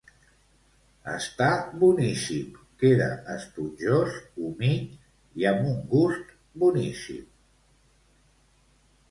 Està boníssim, queda esponjós, humit i amb un gust boníssim.